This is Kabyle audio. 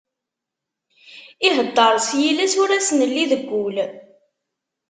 Iheddeṛ s yiles ur as-nelli deg ul.